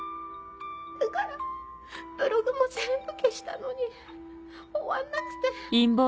だからブログも全部消したのに終わんなくて。